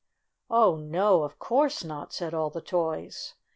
"Oh, no! Of course not!" said all the toys.